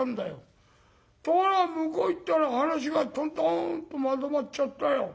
ところが向こう行ったら話がとんとんとまとまっちゃったよ。